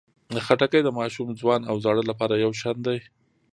خټکی د ماشوم، ځوان او زاړه لپاره یو شان ده.